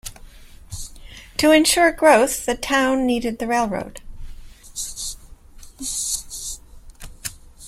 To ensure growth the town needed the railroad.